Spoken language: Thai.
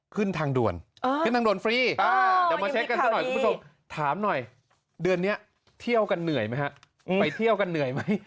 ขึ้นทางด่วนขึ้นทางด่วนฟรีเหตุ